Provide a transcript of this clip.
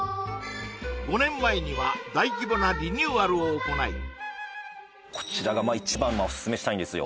５年前には大規模なリニューアルを行いこちらがまあ一番オススメしたいんですよ